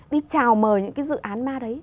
đi chào mời những dự án ma đấy